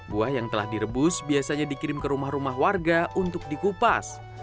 buah yang telah direbus biasanya dikirim ke rumah rumah warga untuk dikupas